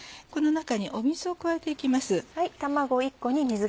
この中に水を加えて行きます。